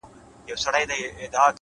علم د انسان فکر اصلاح کوي